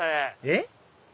えっ？